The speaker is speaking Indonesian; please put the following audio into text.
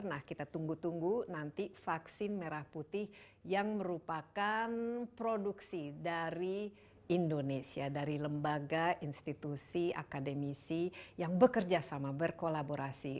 nah kita tunggu tunggu nanti vaksin merah putih yang merupakan produksi dari indonesia dari lembaga institusi akademisi yang bekerja sama berkolaborasi